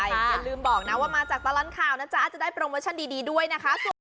อย่าลืมบอกนะว่ามาจากตลอดข่าวนะจ๊ะจะได้โปรโมชั่นดีด้วยนะคะ